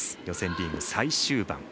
予選リーグ、最終盤。